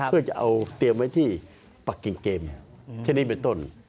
เพื่อจะเอาเตรียมไว้ที่ปะกิ่งเกมเช่นนี้เป็นต้น